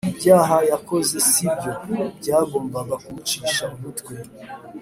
ibyaha yakoze sibyo byagombaga ku mucisha umutwe